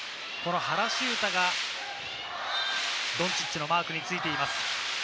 原修太がドンチッチのマークに付いています。